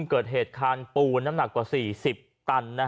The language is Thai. เกิดเหตุคานปูนน้ำหนักกว่า๔๐ตัน